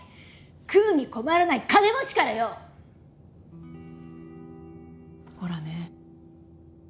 食うに困らない金持ちからよ！ほらね。